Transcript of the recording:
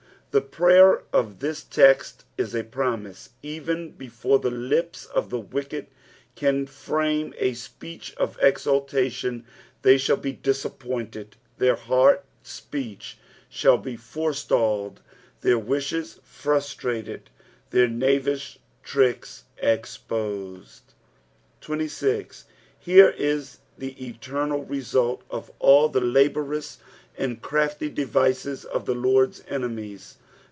The prayer of thb text is a promise. Even before the lips of the wicked can frame a speech of eiiultation, they shall be disappointed ; their heart apeech shall be forestalled, their wishes frustrated, their knavish tricks CKposed. 20. Here is the eternal result of all the laborious and crafty devices of the Lord's enemies.